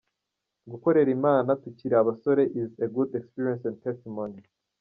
Gukorera Imana tukiri abasore is a good experience and testimony.